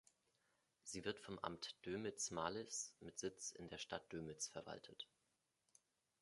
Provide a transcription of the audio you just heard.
Sie wird vom Amt Dömitz-Malliß mit Sitz in der Stadt Dömitz verwaltet.